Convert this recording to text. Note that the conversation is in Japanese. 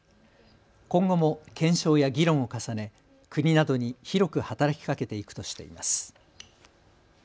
今後も検証や議論を重ね国などに広く働きかけていくとしています。＃